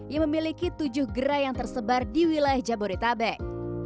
yang memiliki tujuh gerai yang tersebar di wilayah jabodetabek